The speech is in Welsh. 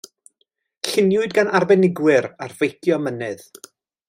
Lluniwyd gan arbenigwyr ar feicio mynydd.